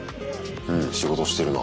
うん仕事してるな。